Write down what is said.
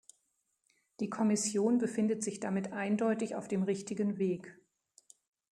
Die Kommission befindet sich damit eindeutig auf dem richtigen Weg.